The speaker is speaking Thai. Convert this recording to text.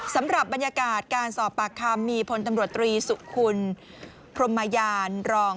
สำหรับบรรยากาศการสอบปากคำมีพลตำรวจตรีสุคุณพรมยานรอง